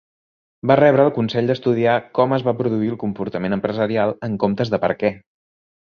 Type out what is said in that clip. Va rebre el consell d'estudiar com es va produir el comportament empresarial en comptes de per què.